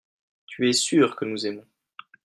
tu es sûr que nous aimons.